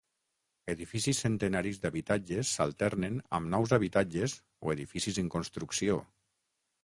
Edificis centenaris d'habitatges s'alternen amb nous habitatges o edificis en construcció.